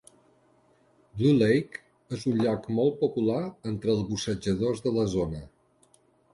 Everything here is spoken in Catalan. Blue Lake és un lloc molt popular entre els bussejadors de la zona.